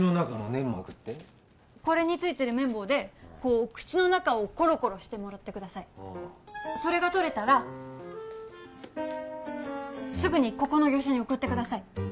これについてる綿棒でこう口の中をコロコロしてもらってくださいああそれが採れたらすぐにここの業者に送ってください